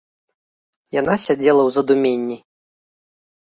Яна сядзела ў задуменні.